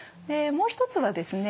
もう一つはですね